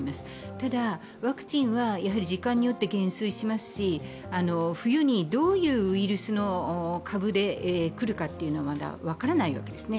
ただ、ワクチンは時間によって減衰しますし、冬にどういうウイルスの株で来るかというのはまだ分からないわけですね。